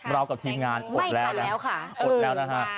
เรากับทีมงานอดแล้วค่ะอดแล้วนะคะ